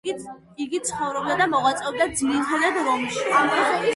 იგი ცხოვრობდა და მოღვაწეობდა ძირითადად რომში.